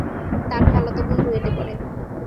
তার খালাতো বোন রুয়েটে পড়ে।